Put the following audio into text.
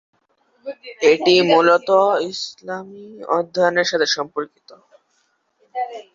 এটি মূলত ইসলামী অধ্যয়নের সাথে সম্পর্কিত।